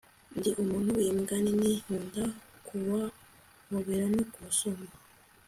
ndi umuntu w'imbwa nini; nkunda kubahobera no kubasoma